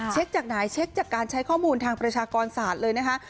จากไหนเช็คจากการใช้ข้อมูลทางประชากรศาสตร์เลยนะคะ